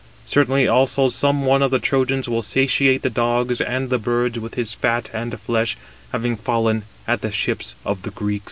Certainly also some one of the Trojans will satiate the dogs and birds with his fat and flesh, having fallen at the ships of the Greeks."